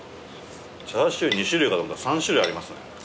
チャーシュー２種類かと思ったら３種類ありますね。